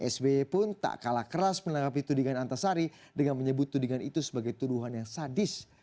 sby pun tak kalah keras menanggapi tudingan antasari dengan menyebut tudingan itu sebagai tuduhan yang sadis